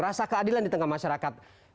rasa keadilan di tengah masyarakat